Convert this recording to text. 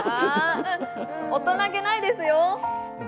大人げないですよ。